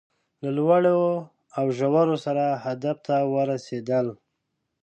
له لوړو ژورو سره هدف ته ورسېدل